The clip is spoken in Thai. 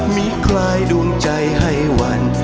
มีใครดูใจให้หวั่น